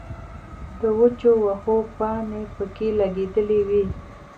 د وچو وښو پانې پکښې لګېدلې وې